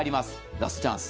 ラストチャンス。